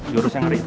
jurus yang hari itu